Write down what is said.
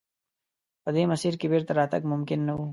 په دې مسیر کې بېرته راتګ ممکن نه و.